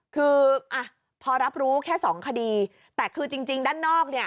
คือพอรับรู้แค่สองคดีแต่คือจริงด้านนอกเนี่ย